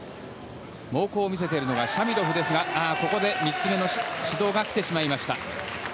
猛攻を見せているのがシャミロフですがここで３つ目の指導が来てしまいました。